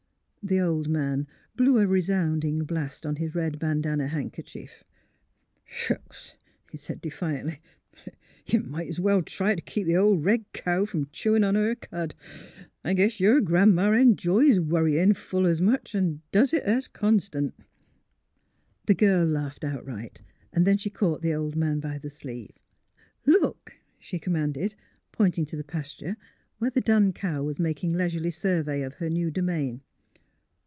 '' The old man blew his nose a resounding blast on his red bandanna handkerchief. 158 THE HEART OF PHILURA " Shucks! " he said, defiantly. " Y'u might es well try t' keep th' ol' red cow f'om chewin' on her cud. I guess yer Gran 'ma enjoys worryin' full es much, an' docs it as constant." The girl laughed outright. Then she caught the old man by the sleeve. '' Look !'' she commanded, pointing to the pasture, where the dun cow was making leisurely survey of her new domain.